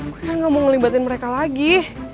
gue kan gak mau ngelibatin mereka lagi